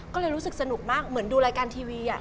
ก็เลยรู้สึกสนุกมากเหมือนดูรายการทีวี